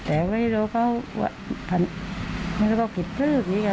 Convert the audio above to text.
แต่เวลาก็ฉ์ฝั่งไม่รู้ว่ากับสารแม่ข้า